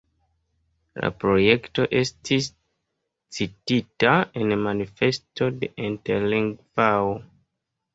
La projekto estis citita en Manifesto de Interlingvao.